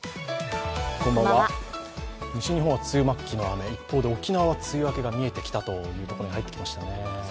西日本は梅雨末期の雨、一方で沖縄は梅雨明けが見えてきたということになりました。